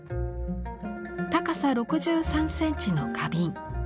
高さ６３センチの花瓶。